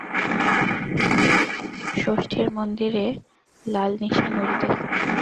ষষ্ঠীর মন্দিরে লাল নিশান উড়িতেছে।